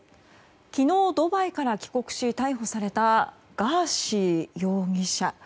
昨日、ドバイから帰国し逮捕されたガーシー容疑者。